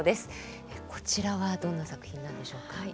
こちらはどんな作品なんでしょうか？